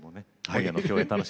はい。